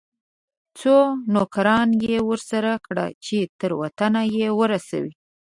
څو نوکران یې ورسره کړه چې تر وطنه یې ورسوي.